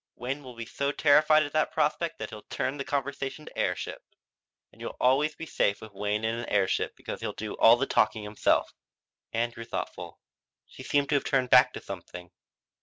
Wayne will be so terrified at that prospect that he'll turn the conversation to air ships, and you'll always be safe with Wayne in an air ship because he'll do all the talking himself." Ann grew thoughtful. She seemed to have turned back to something.